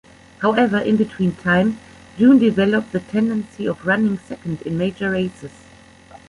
However, in between time, Jeune developed the tendency of running second in major races.